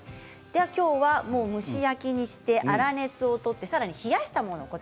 きょうは蒸し焼きにして粗熱を取ってさらに冷やしたもの